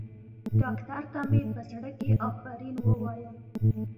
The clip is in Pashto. ډاکتر ته مې په زړه کښې افرين ووايه.